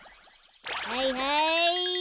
はいはい。